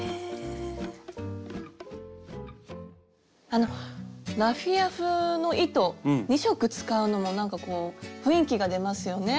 あのラフィア風の糸２色使うのもなんかこう雰囲気が出ますよね。